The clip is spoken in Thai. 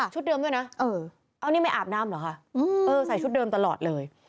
เดิมด้วยนะเอานี่ไม่อาบน้ำเหรอคะเออใส่ชุดเดิมตลอดเลย